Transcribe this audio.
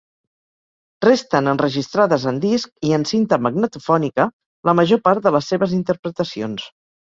Resten enregistrades en disc i en cinta magnetofònica la major part de les seves interpretacions.